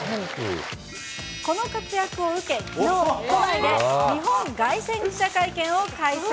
この活躍を受け、きのう、都内で日本凱旋記者会見を開催。